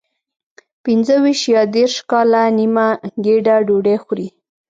پنځه ویشت یا دېرش کاله نیمه ګېډه ډوډۍ خوري.